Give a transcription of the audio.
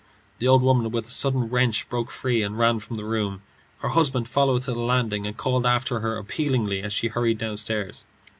The old woman with a sudden wrench broke free and ran from the room. Her husband followed to the landing, and called after her appealingly as she hurried downstairs.